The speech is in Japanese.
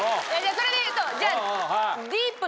それでいうとじゃ。